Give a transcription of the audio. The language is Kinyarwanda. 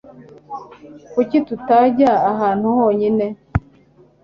Kuki tutajya ahantu honyine?